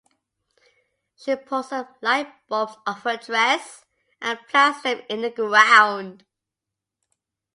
She pulls some light bulbs off her dress and plants them in the ground.